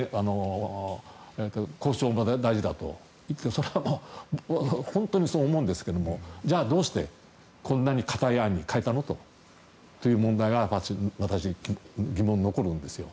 交渉も大事だと言ってたけどそれはもう本当にそう思うんですけどもじゃあどうしてこんなに硬い案に変えたのという問題は私は疑問が残るんですよ。